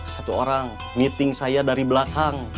satu orang meeting saya dari belakang